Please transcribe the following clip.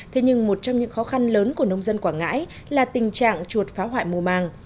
thế nhưng một trong những khó khăn lớn của nông dân quảng ngãi là tình trạng chuột phá hoại mùa màng